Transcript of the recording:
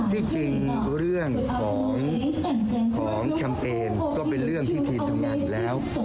ที่จริงเรื่องของแคมเปญก็เป็นเรื่องที่ทีมทำงานอยู่แล้ว